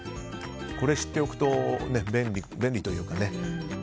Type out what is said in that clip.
これ、知っておくと便利というかね。